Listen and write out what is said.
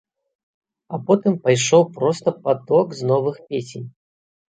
А потым пайшоў проста паток з новых песень!